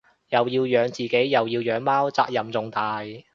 又要養自己又要養貓責任重大